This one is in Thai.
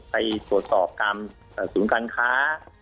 ไปตรวจสอบตามศูนย์การค้า